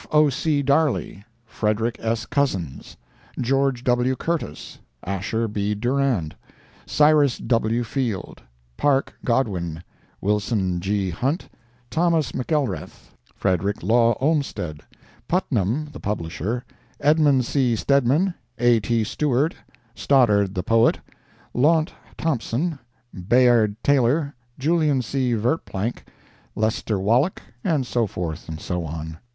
O. C. Darley, Frederick S. Cozzens, Geo. W. Curtis, Ashar B. Durand, Cyrus W. Field, Parke Godwin, Wilson G. Hunt, Thos. McElrath, Fred. Law Olmstead, Putnam, the publisher, Edmund C. Stedman, A. T. Stewart, Stoddard, the poet, Launt Thompson, Bayard Taylor, Julian C. Verplanck, Lester Wallack, and so forth and so on.